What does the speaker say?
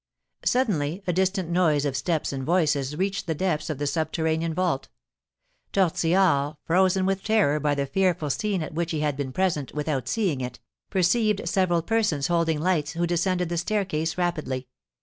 Suddenly a distant noise of steps and voices reached the depths of the subterranean vault. Tortillard, frozen with terror by the fearful scene at which he had been present without seeing it, perceived several persons holding lights, who descended the staircase rapidly.